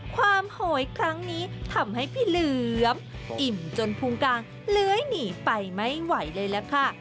โหยครั้งนี้ทำให้พี่เหลือมอิ่มจนพุงกลางเลื้อยหนีไปไม่ไหวเลยล่ะค่ะ